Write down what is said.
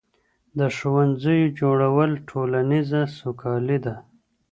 د ښوونځیو جوړول ټولنیزه سوکالي ده.